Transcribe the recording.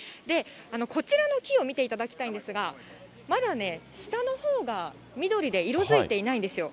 こちらの木を見ていただきたいんですが、まだね、下のほうが緑で色づいていないんですよ。